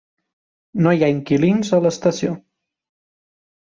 No hi ha inquilins a l'estació.